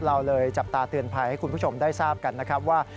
เราเลยจับตาเตือนภัยให้คุณผู้ชมได้ทราบกันนะครับว่า